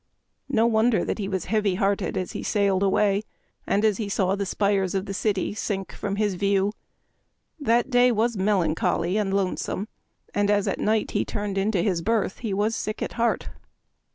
No wonder that he was " heavy hearted " as he sailed away, and as he saw the spires of the city sink from his' view. That day was melancholy and lonesome, and as at night he turned into his berth he was sick at heart.